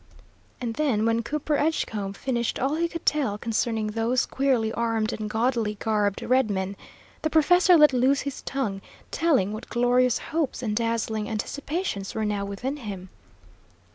And then, when Cooper Edgecombe finished all he could tell concerning those queerly armed and gaudily garbed red men, the professor let loose his tongue, telling what glorious hopes and dazzling anticipations were now within him.